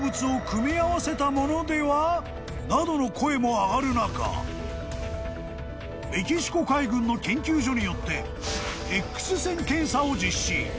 ［などの声も上がる中メキシコ海軍の研究所によって］